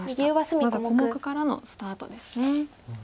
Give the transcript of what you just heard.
まずは小目からのスタートですね。